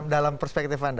dalam perspektif anda